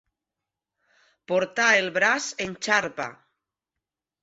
Portar el braç en xarpa.